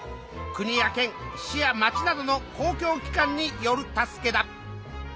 国や県市や町などの公共機関による助けだ。